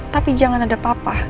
tapi jangan ada papa